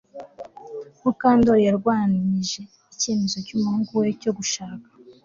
Mukandoli yarwanyije icyemezo cyumuhungu we cyo gushaka